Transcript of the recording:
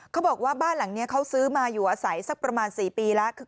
เขาบอกว่าบ้านหลังนี้เขาซื้อมาอยู่อาศัยสักประมาณ๔ปีแล้ว